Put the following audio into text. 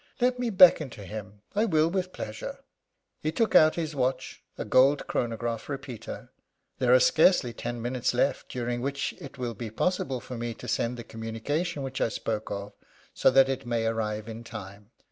"Let me beckon to him I will with pleasure." He took out his watch a gold chronograph repeater. "There are scarcely ten minutes left during which it will be possible for me to send the communication which I spoke of, so that it may arrive in time.